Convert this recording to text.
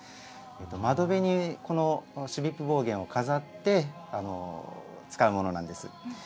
窓辺にこのシュビップボーゲンを飾って使うものなんです。